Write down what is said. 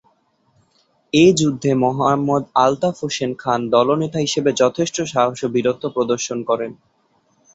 এ যুদ্ধে মোহাম্মদ আলতাফ হোসেন খান দলনেতা হিসেবে যথেষ্ট সাহস ও বীরত্ব প্রদর্শন করেন।